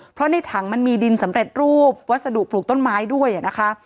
เพราะในถังมันมีดินสำเร็จรูปวัสดุปลูกต้นไม้ด้วยนะคะ